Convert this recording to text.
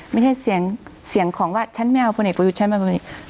ไม่ใช่เสียงของว่าฉันไม่เอาคนเอกประยุทธ์ฉันไม่เอาคนเอกประยุทธ์